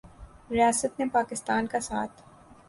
ریاست نے پاکستان کا ساتھ